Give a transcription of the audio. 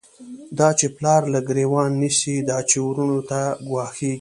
دا چی پلار له گریوان نیسی، دا چی وروڼو ته گوا ښیږی